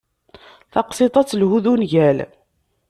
Taqsiṭ-a ad telhu d ungal.